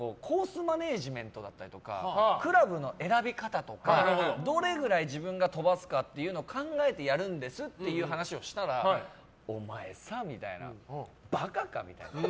マネジメントだとかクラブの選び方とかどれぐらい自分が飛ばすかを考えてやるんですっていう話をしたらお前さ、馬鹿か？みたいな。